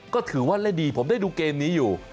ก็ถือว่าเล่นดีผมได้ดูเกมนี้อยู่